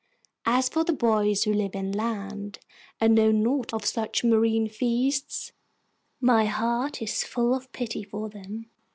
As for the boys who live inland, and know naught of such marine feasts, my heart is full of pity for them.